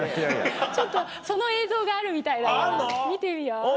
ちょっとその映像があるみたいだから見てみよう。